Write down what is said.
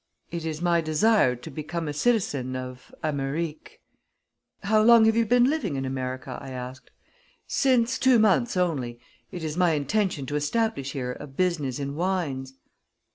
It is my desire to become a citizen of Amer ric'." "How long have you been living in America?" I asked. "Since two months only. It is my intention to establish here a business in wines."